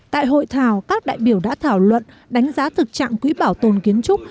tại hội thảo các đại biểu đã thảo luận đánh giá thực trạng quỹ bảo tồn kiến trúc